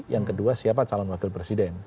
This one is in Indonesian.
yang kedua siapa calon wakil presiden